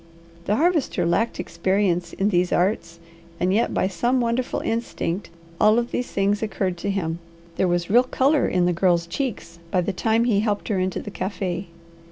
The Harvester lacked experience in these arts, and yet by some wonderful instinct all of these things occurred to him. There was real colour in the Girl's cheeks by the time he helped her into the cafe'.